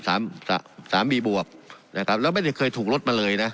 สามีบวกนะครับแล้วไม่ได้เคยถูกลดมาเลยนะ